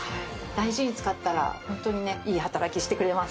大事に使ったらホントにねいい働きしてくれます。